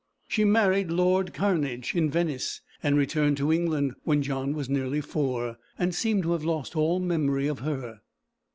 She married lord Cairnedge in Venice, and returned to England when John was nearly four, and seemed to have lost all memory of her.